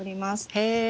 へえ。